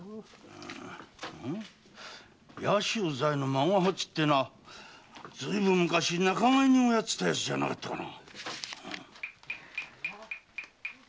孫八ってのはずっと昔仲買人をやってたヤツじゃなかったかな？